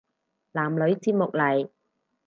男女節目嚟